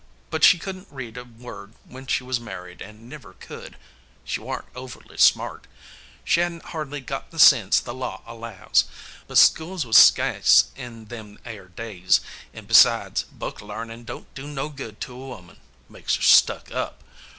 But she couldn't read a word when she was married, and never could. She warn't overly smart. She hadn't hardly got the sense the law allows. But schools was skase in them air days, and, besides, book larnin' don't do no good to a woman. Makes her stuck up.